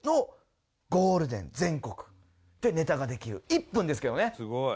１分ですけどね。